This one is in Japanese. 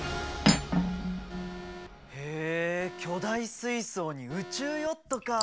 へえ巨大水槽に宇宙ヨットか。